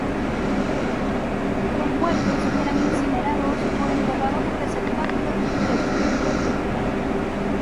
Los muertos eran incinerados o enterrados en receptáculos discretos.